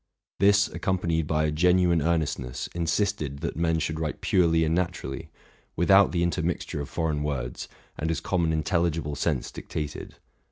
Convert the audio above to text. This, accompanied by a genuine earnestness, insisted that men should write purely and naturally, without the inter mixture of foreign words, and as common intelligible sense dictated.